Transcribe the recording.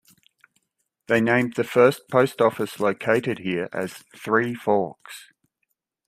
They named the first post office located here as Three Forks.